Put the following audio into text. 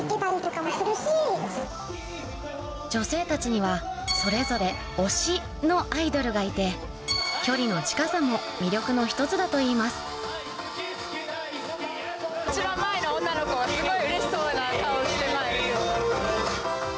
女性たちにはそれぞれ「推し」のアイドルがいて距離の近さも魅力の一つだといいます一番前の女の子はすごい。